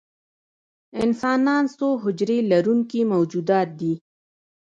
انسانان څو حجرې لرونکي موجودات دي